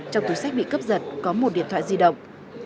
trong túi sách bị cướp giật có một điện thoại di động